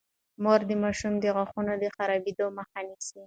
مور د ماشومانو د غاښونو د خرابیدو مخه نیسي.